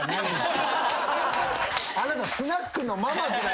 あなたスナックのママぐらい。